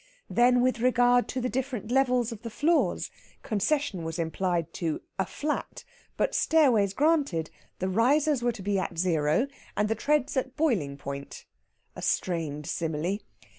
Then with regard to the different levels of the floors, concession was implied to "a flat"; but, stairways granted, the risers were to be at zero, and the treads at boiling point a strained simile!